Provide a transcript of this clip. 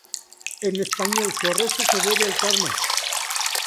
En español "Su arresto se debe al karma.